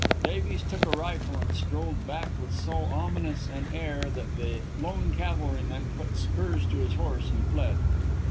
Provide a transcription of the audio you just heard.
Davies took a rifle and strolled back with so ominous an air that the lone cavalryman put spurs to his horse and fled.